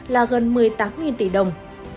là gần một mươi tám tỷ đồng